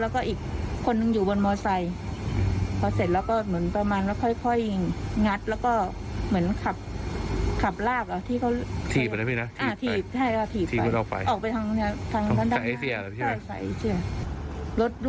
คุณผู้